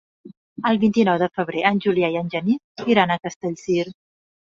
El vint-i-nou de febrer en Julià i en Genís iran a Castellcir.